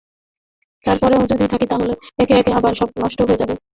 তার পরেও যদি থাকি তা হলে একে-একে আবার সব নষ্ট হয়ে যাবে।